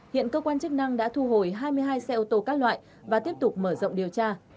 hiện cơ quan chức năng đã thu hồi hai mươi hai xe ô tô các loại và tiếp tục mở rộng điều tra